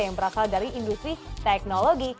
yang berasal dari industri teknologi